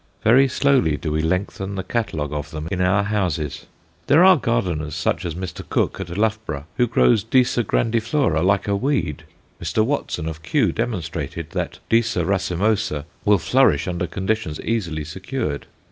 Very slowly do we lengthen the catalogue of them in our houses. There are gardeners, such as Mr. Cook at Loughborough, who grow Disa grandiflora like a weed. Mr. Watson of Kew demonstrated that Disa racemosa will flourish under conditions easily secured.